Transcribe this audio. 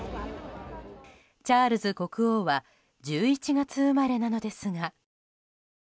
チャールズ国王は１１月生まれなのですが。